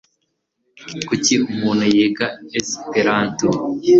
Kuki umuntu yiga Esperanto? .